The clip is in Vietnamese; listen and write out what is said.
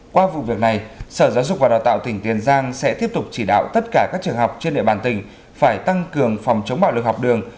qua vụ việc này sở giáo dục và đào tạo tỉnh tiền giang sẽ tiếp tục chỉ đạo tất cả các trường học trên địa bàn tỉnh phải tăng cường phòng chống bạo lực học đường